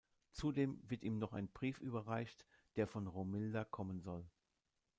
Zudem wird ihm noch ein Brief überreicht, der von Romilda kommen soll.